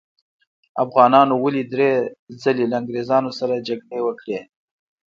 افغانانو ولې درې ځلې له انګریزانو سره جګړې وکړې؟